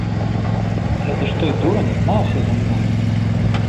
Гэта ж той дурань гнаўся за мною!